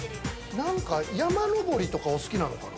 山登りとかお好きなのかな？